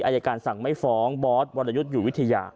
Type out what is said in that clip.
อายการสั่งไม่ฟ้องบอสวรยุทธ์อยู่วิทยา